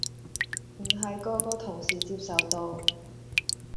唔係個個同事接受到